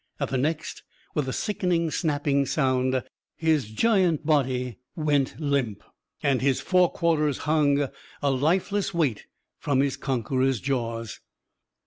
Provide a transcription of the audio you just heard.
At the next, with a sickening snapping sound, his giant body went limp. And his forequarters hung, a lifeless weight, from his conqueror's jaws.